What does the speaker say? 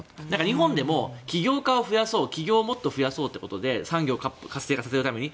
日本でも起業家を増やそう起業をもっと増やそうということで産業活性化させるために。